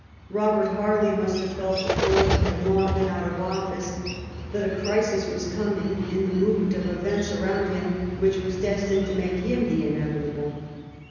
Robert Harley must have felt before he had long been out of office that a crisis was coming in the movement of events around him which was destined to make him " the inevitable."